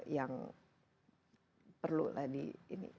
yang perlu lah di ini